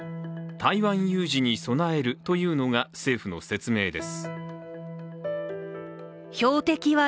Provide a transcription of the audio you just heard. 台湾有事に備えるというのが政府の説明です。